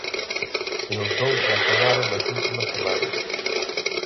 E os dous reaccionaron nas últimas semanas.